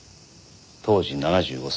当時７５歳。